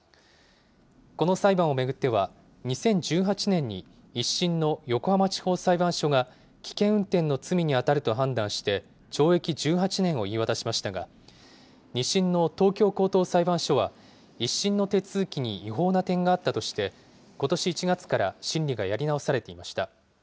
この裁判を巡っては、２０１８年に１審の横浜地方裁判所が、危険運転の罪に当たると判断して、懲役１８年を言い渡しましたが、２審の東京高等裁判所は、１審の手続きに違法な点があったとして、ことし１月から審理がやり直されていました。